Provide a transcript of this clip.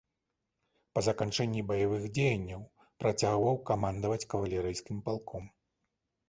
Па заканчэнні баявых дзеянняў працягваў камандаваць кавалерыйскім палком.